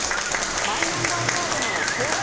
マイナンバーカードの公金